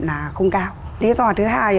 là không cao lý do thứ hai